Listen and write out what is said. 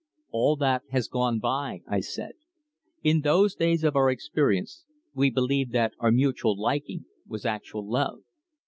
"All that has gone by," I said. "In those days of our experience we believed that our mutual liking was actual love.